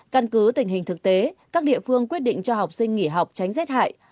căn cứ tình hình thực tế các địa phương quyết định cho học sinh nghỉ học tránh rét hại